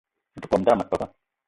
Be te kome dame pabe